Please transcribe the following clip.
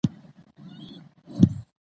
د مېلو چاپېریال رنګین او خوشحاله يي.